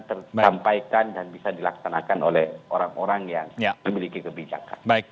tertampaikan dan bisa dilaksanakan oleh orang orang yang memiliki kebijakan